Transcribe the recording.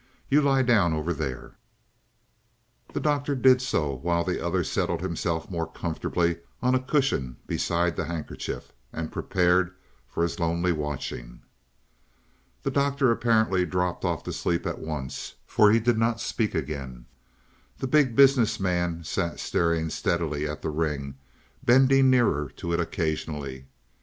"You lie down over there." The Doctor did so while the other settled himself more comfortably on a cushion beside the handkerchief, and prepared for his lonely watching. The Doctor apparently dropped off to sleep at once, for he did not speak again. The Big Business Man sat staring steadily at the ring, bending nearer to it occasionally.